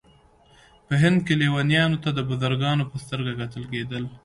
په هند کې لیونیانو ته د بزرګانو په سترګه کتل کېدل.